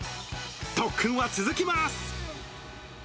特訓は続きます。